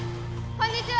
こんにちは！